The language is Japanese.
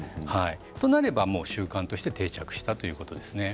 となれば、もう習慣として定着したということですね。